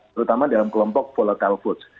terutama dalam kelompok volatile foods